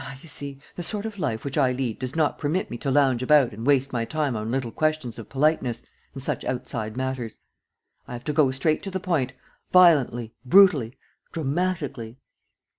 Ah, you see, the sort of life which I lead does not permit me to lounge about and waste my time on little questions of politeness and such outside matters. I have to go straight to the point, violently, brutally, dramatically.